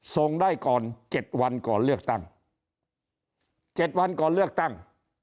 ส่งได้ก่อน๗วันก่อนเลือกตั้ง๗วันก่อนเลือกตั้ง